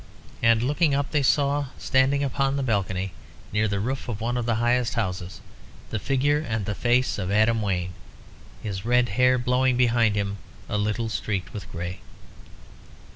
And looking up they saw, standing upon a balcony near the roof of one of the highest houses, the figure and the face of Adam Wayne, his red hair blowing behind him, a little streaked with grey.